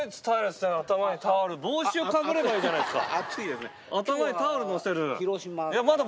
帽子をかぶればいいじゃないですか。